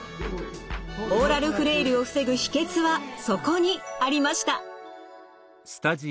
オーラルフレイルを防ぐ秘けつはそこにありました。